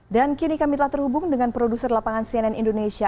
dan kini kami telah terhubung dengan produser lapangan cnn indonesia